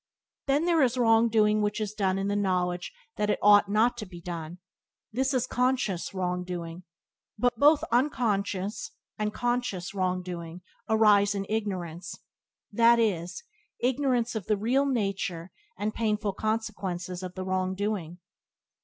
Then there is wrong doing which is done in the knowledge that it ought not to be done — this is conscious wrong doing; but both unconscious and conscious wrong doing arise in ignorance — that is, ignorance of the real nature and painful consequences of the wrong doing.